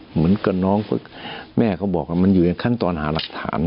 เหมือนกับน้องฝึกแม่เขาบอกว่ามันอยู่ในขั้นตอนหาหลักฐาน